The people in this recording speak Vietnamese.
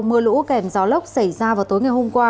mưa lũ kèm gió lốc xảy ra vào tối ngày hôm qua